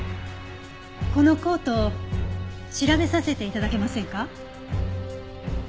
このコート調べさせて頂けませんか？